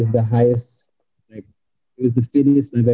itu paling terbaik yang pernah aku lakukan